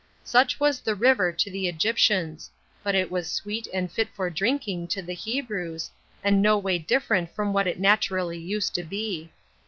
Such was the river to the Egyptians; but it was sweet and fit for drinking to the Hebrews, and no way different from what it naturally used to be.